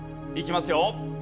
いきますよ。